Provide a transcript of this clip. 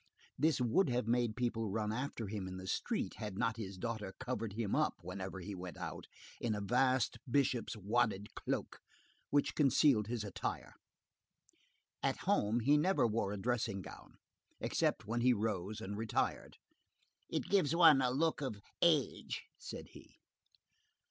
This would have made people run after him in the street, had not his daughter covered him up, whenever he went out, in a vast bishop's wadded cloak, which concealed his attire. At home, he never wore a dressing gown, except when he rose and retired. "It gives one a look of age," said he.